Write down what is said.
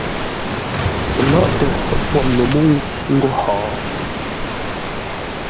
Pəlóghʼtə pwor no mə́u ńgó hó?